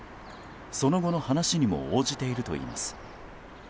その後の話にも応じているといいます。